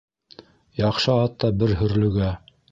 Яҡшы ат та бер һөрлөгә.